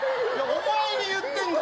お前に言ってんだ！